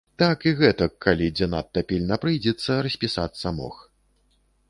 Так і гэтак, калі дзе надта пільна прыйдзецца, распісацца мог.